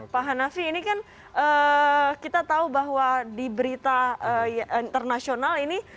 pak hanafi ini kan kita tahu bahwa di berita internasional ini